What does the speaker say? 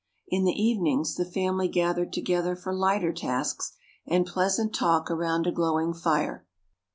In the evenings, the family gathered together for lighter tasks and pleasant talk around a glowing fire.